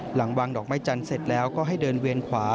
หลังวางดอกไม้จันทร์เสร็จแล้วก็ให้เดินเวียนขวา